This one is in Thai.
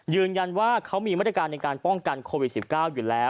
ยืนยันว่าเขามีมาตรการในการป้องกันโควิด๑๙อยู่แล้ว